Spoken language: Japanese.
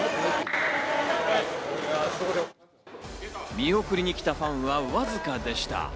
見送りに来たファンはわずかでした。